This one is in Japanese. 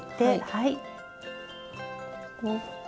はい。